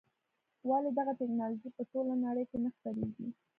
ولې دغه ټکنالوژي په ټوله نړۍ کې نه خپرېږي.